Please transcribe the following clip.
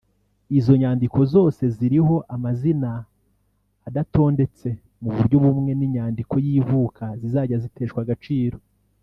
izo nyandiko zose ziriho amazina adatondetse mu buryo bumwe n’inyandiko y’ivuka zizajya ziteshwa agaciro